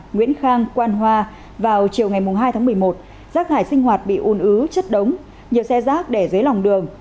nguyễn khang quan hoa vào chiều hai tháng một mươi một giác hải sinh hoạt bị ùn ứ chất đống nhiều xe giác để dưới lòng đường